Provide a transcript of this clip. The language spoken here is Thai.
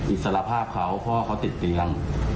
อิสรภาพเขาเพราะว่าเขาติดเตียง